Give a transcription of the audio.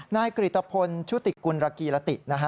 นายกริตพลชุติกุณรกีรติ